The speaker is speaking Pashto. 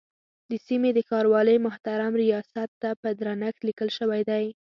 د سیمې د ښاروالۍ محترم ریاست ته په درنښت لیکل شوی دی.